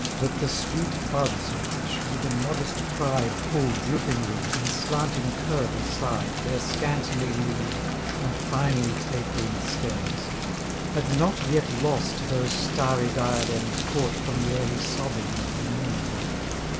That the sweet buds which with a modest pride Pull droopingly, in slanting curve aside, Their scantly leaved, and finely tapering stems, Had not yet lost those starry diadems Caught from the early sobbing of the morn.